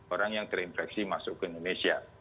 orang yang terinfeksi masuk ke indonesia